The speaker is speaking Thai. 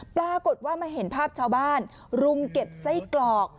ปรากฏว่ามาเห็นภาพชาวบ้านรุมเก็บไส้กรอก